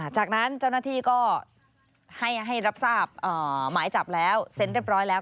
จากนั้นเจ้าหน้าที่ก็ให้รับทราบหมายจับแล้วเซ็นเรียบร้อยแล้ว